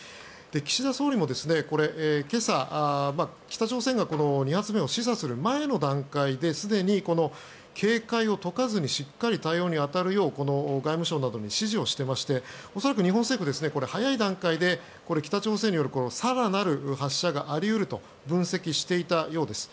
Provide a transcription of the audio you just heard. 岸田総理も今朝、北朝鮮が２発目を示唆する前の段階ですでに、この警戒を解かずにしっかり対応に当たるよう外務省などに指示をしてまして恐らく、日本政府早い段階で、北朝鮮による更なる発射があり得ると分析していたようです。